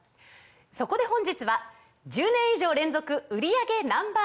そこで本日は１０年以上連続売り上げＮｏ．１